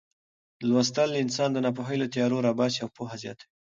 لوستل انسان د ناپوهۍ له تیارو راباسي او پوهه زیاتوي.